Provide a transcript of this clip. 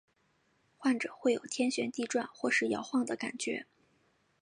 患者会有天旋地转或是摇晃的感觉。